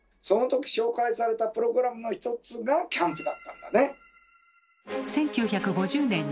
その時紹介されたプログラムの一つがキャンプだったんだね。